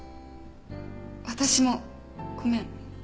私もごめん。